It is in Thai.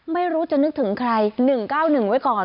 ไม่รู้จะนึกถึงใคร๑๙๑ไว้ก่อน